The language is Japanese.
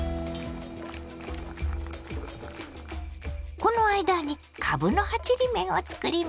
この間にかぶの葉ちりめんをつくりましょ。